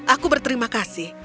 aku berterima kasih